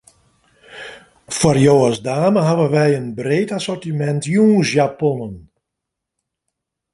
Foar jo as dame hawwe wy in breed assortimint jûnsjaponnen.